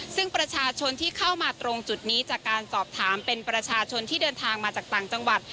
ซึ่งประชาชนที่เข้ามาตรงจุดนี้จากการสอบถามเป็นประชาชนที่เดินทางมาจากต่างจังหวัด